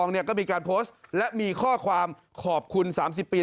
แม่มีใครบอกอย่างเนี่ย